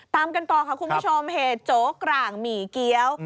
ตามกันต่อค่ะคุณผู้ชมเหตุโจ๊กร่างหมี่เกี้ยว